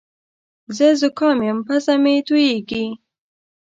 زه زوکام یم پزه مې تویېږې